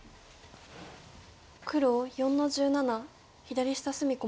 黒４の十七左下隅小目。